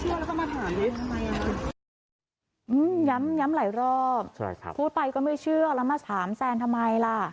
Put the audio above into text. อีกคำถามหนึ่งนะฮะที่นักข่าวตะโกนถามเกี่ยวกับเรื่องคดี